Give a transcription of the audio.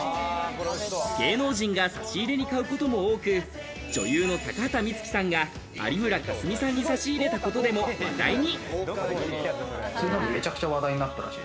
芸能人が差し入れに買うことも多く、女優の高畑充希さんが有村架純さんに差し入れたことでも話題に。